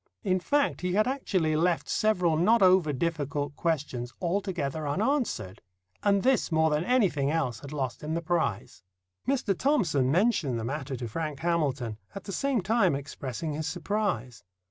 In fact, he had actually left several not over difficult questions altogether unanswered, and this more than anything else had lost him the prize. Mr. Thomson mentioned the matter to Frank Hamilton, at the same time expressing his surprise.